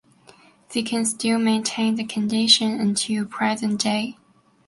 They can still maintain the condition until present day.